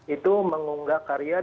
itu mengunggah karya karya